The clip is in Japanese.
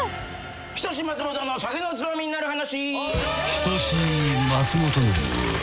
『人志松本の酒のツマミになる話』